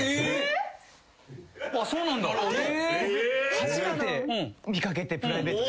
僕初めて見かけてプライベートで。